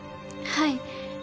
はい。